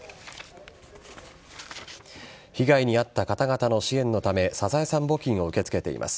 被害に遭った方々の支援のためサザエさん募金を受け付けています。